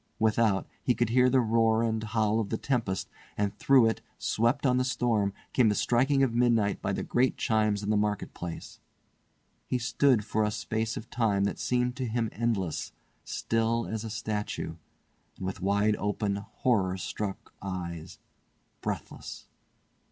Without, he could hear the roar and howl of the tempest, and through it, swept on the storm, came the striking of midnight by the great chimes in the market place. He stood for a space of time that seemed to him endless still as a statue, and with wide open, horror struck eyes, breathless.